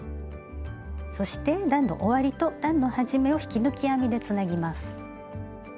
そして段の終わりと段の始めを引き抜き編みでつなぎます。